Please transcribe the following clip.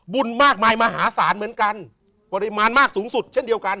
บุญมากมายมหาศาลเหมือนกันปริมาณมากสูงสุดเช่นเดียวกัน